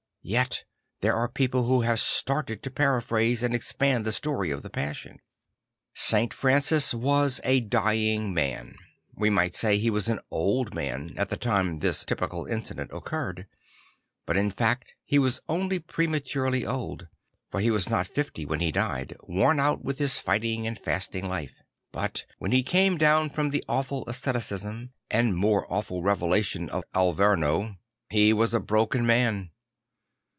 ..." Yet there are people who have started to paraphrase and expand the story of the Passion. St. Francis \vas a dying man. We might say he was an old man, at the time this typical incident occurred; but in fact he was only prematurely old; for he was not fifty when he died, worn out with his fighting and fasting life. But when he came down from the awful asceticism and more 106 St. Francis of Assisi awful revelation of Alverno, he was a broken man.